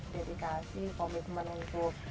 dedikasi komitmen untuk